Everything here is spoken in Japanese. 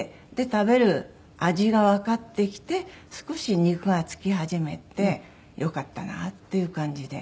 食べる味がわかってきて少し肉がつき始めてよかったなっていう感じで。